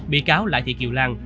bị cáo lại thì kiều lan